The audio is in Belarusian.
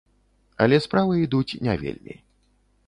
Але справы ідуць не вельмі.